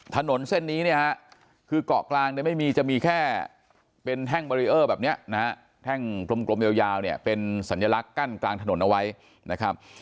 ถนนเส้นนี้เนี่ยฮะคือเกาะกลางเนี่ยไม่มีจะมีแค่เป็นแท่งบารีเออร์แบบนี้นะฮะแท่งกลมยาวเนี่ยเป็นสัญลักษณ์กั้นกลางถนนเอาไว้นะครับ